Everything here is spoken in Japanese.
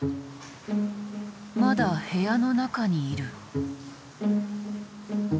まだ部屋の中にいる。